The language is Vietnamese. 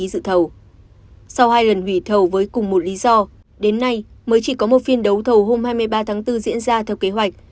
sau hai lần hủy thầu với cùng một lý do đến nay mới chỉ có một phiên đấu thầu hôm hai mươi ba tháng bốn diễn ra theo kế hoạch